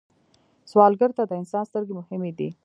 سوالګر ته د انسان سترګې مهمې دي